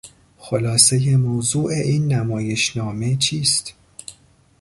خلاصهی موضوع این نمایشنامه چیست؟